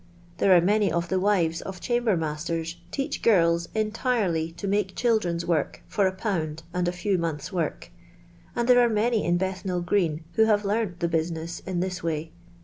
There are many of the wives of chamber masten teach girls entirely to make children's work for a pound and a few months' work, and there are many in 13ethnal green who have learnt the business in this way.